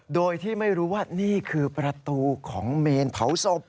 โดยที่ไม่รู้ว่านี่คือประตูของเมนเผาศพ